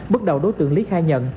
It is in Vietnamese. bước đầu đối tượng lý khai nhận